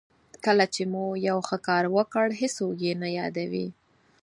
کله چې مو یو ښه کار وکړ هېڅوک یې نه یادوي.